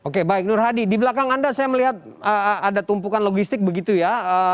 oke baik nur hadi di belakang anda saya melihat ada tumpukan logistik begitu ya